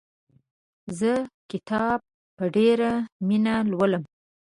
زه کتاب په ډېره مینه لولم.